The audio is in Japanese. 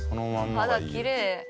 肌きれい。